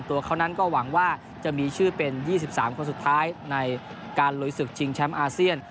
ตัวเขานั้นก็หวังว่าจะมีชื่อเป็น๒๓คนสุดท้ายในการลุยศึกชิงแชมป์อาเซียน